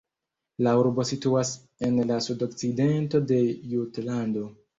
La urbo situas en la sudokcidento de Jutlando.